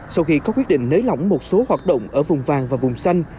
sau khi có quyết định nới lỏng một số hoạt động ở vùng vàng và vùng xanh